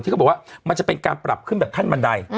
เขาบอกว่ามันจะเป็นการปรับขึ้นแบบขั้นบันได